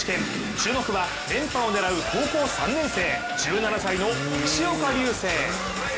注目は連覇を狙う高校３年生１７歳の西岡隆成。